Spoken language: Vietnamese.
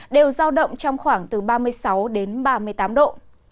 đều giao động trong khoảng từ ba mươi sáu đến ba mươi tám độ